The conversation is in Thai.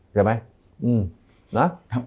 เขียนใจไหม